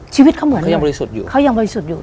ชีวิตเขาเหมือนเลยเขายังบริสุทธิ์อยู่